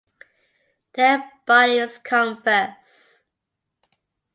Their buddies come first.